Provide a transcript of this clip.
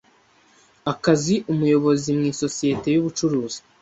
akazi umuyobozi mu isosiyete y ubucuruzi